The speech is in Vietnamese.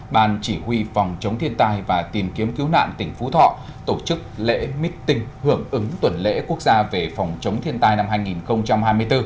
ban chỉ huy phòng chống thiên tai và tìm kiếm cứu nạn tỉnh phú thọ tổ chức lễ meeting hưởng ứng tuần lễ quốc gia về phòng chống thiên tai năm hai nghìn hai mươi bốn